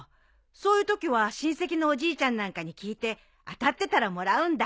そういうときは親戚のおじいちゃんなんかに聞いて当たってたらもらうんだ。